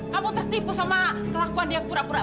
kamu tertipu sama kelakuan dia pura pura baik